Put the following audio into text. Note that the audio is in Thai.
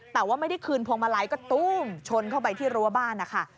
แต่ว่าไม่ได้คืนพวงมาลัยก็ตู้มชนเข้าไปที่รั้วบ้านนะคะ